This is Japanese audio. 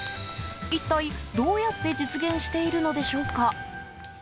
一体、どうやって実現しているのでしょうか？